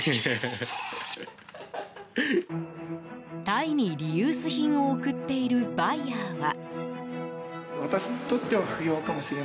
タイにリユース品を送っているバイヤーは。